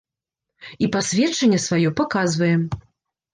І пасведчанне сваё паказваем!